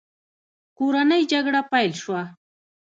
کورنۍ جګړه پیل شوه.